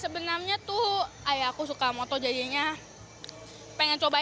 sebenarnya tuh aku suka moto jadinya pengen cobain